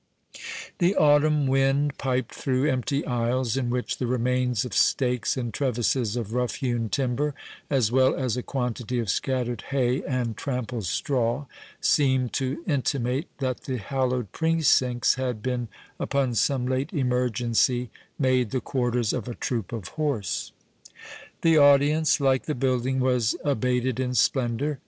The autumn wind piped through empty aisles, in which the remains of stakes and trevisses of rough hewn timber, as well as a quantity of scattered hay and trampled straw, seemed to intimate that the hallowed precincts had been, upon some late emergency, made the quarters of a troop of horse. The audience, like the building, was abated in splendour.